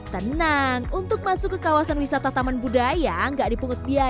tenang untuk masuk ke kawasan wisata taman budaya gak dipungut biaya